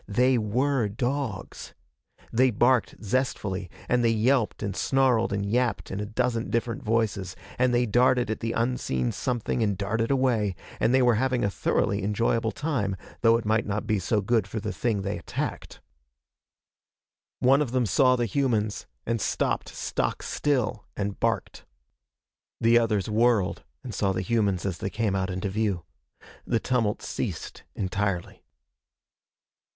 They were dogs. They barked zestfully, and they yelped and snarled and yapped in a dozen different voices, and they darted at the unseen something and darted away, and they were having a thoroughly enjoyable time, though it might not be so good for the thing they attacked. One of them saw the humans and stopped stock still and barked. The others whirled and saw the humans as they came out into view. The tumult ceased entirely.